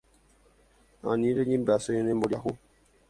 Ani reñembyasy ne mboriahu